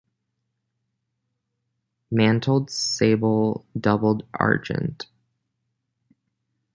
Mantled sable doubled argent.